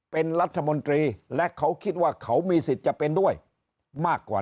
เป็นรัฐมนตรีและเขาคิดว่าเขามีสิทธิ์จะเป็นด้วยมากกว่า